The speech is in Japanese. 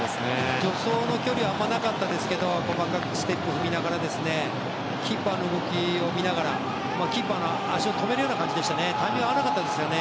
助走の距離はあまりなかったですが細かくステップを踏みながらキーパーの動きを見ながらキーパーの足を止めるような感じでしたね。